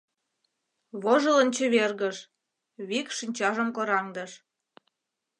Вожылын чевергыш, вик шинчажым кораҥдыш.